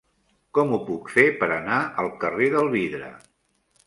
Com ho puc fer per anar al carrer del Vidre?